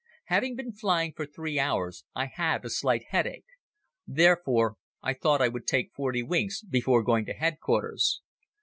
Having been flying for three hours I had a slight headache. Therefore, I thought I would take forty winks, before going to Headquarters.